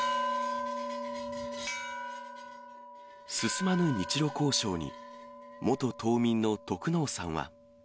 進まぬ日ロ交渉に、元島民の得能さんは。